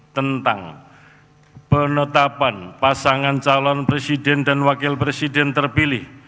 tentang penetapan pasangan calon presiden dan wakil presiden terpilih